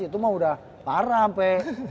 itu mah udah parah sampai